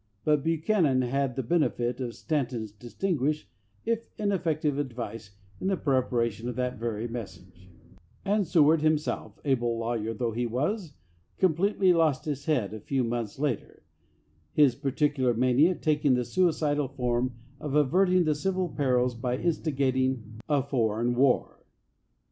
But Buchanan had the benefit of 294 AS PRESIDENT Stanton's distinguished, if ineffective, advice in the preparation of that very message, and Sew ard himself, able lawyer though he was, com pletely lost his head a few months later, his par ticular mania taking the suicidal form of averting the civil perils by instigating a foreign war.